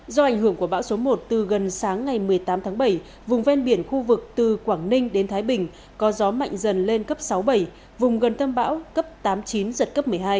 do ảnh hưởng của bão số một từ gần sáng ngày một mươi tám tháng bảy vùng ven biển khu vực từ quảng ninh đến thái bình có gió mạnh dần lên cấp sáu bảy vùng gần tâm bão cấp tám chín giật cấp một mươi hai